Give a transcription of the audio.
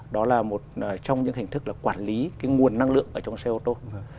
đó là một trong những hình thức quản lý nguồn năng lượng trong xe ô tô